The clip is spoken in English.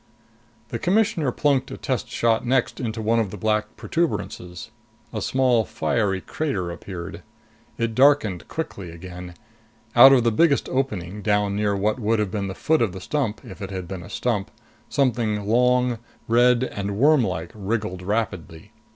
The Commissioner plunked a test shot next into one of the black protuberances. A small fiery crater appeared. It darkened quickly again. Out of the biggest opening, down near what would have been the foot of the stump if it had been a stump, something, long, red and wormlike wriggled rapidly.